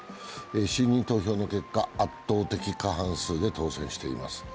信任投票の結果、圧倒的過半数で当選しています。